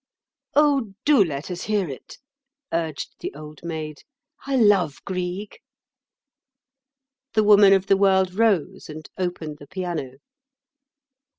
"Oh! do let us hear it," urged the Old Maid. "I love Grieg." The Woman of the World rose and opened the piano.